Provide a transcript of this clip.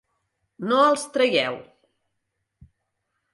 No els traieu.